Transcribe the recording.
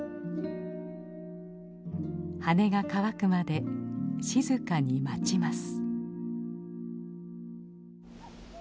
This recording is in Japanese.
羽が乾くまで静かに待ちます。